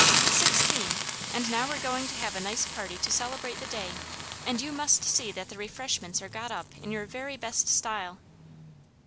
"Sixteen; and now we're going to have a nice party to celebrate the day, and you must see that the refreshments are got up in your very best style."